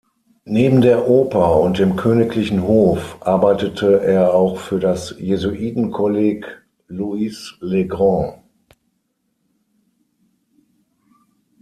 Neben der Oper und dem Königlichen Hof, arbeitete er auch für das Jesuitenkolleg Louis-le-Grand.